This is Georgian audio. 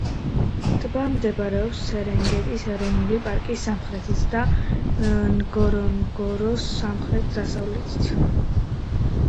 ტბა მდებარეობს სერენგეტის ეროვნული პარკის სამხრეთით და ნგორონგოროს სამხრეთ-დასავლეთით.